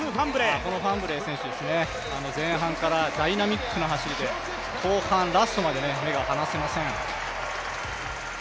ファンブレー選手、前半からダイナミックな走りで後半ラストまで目が離せません。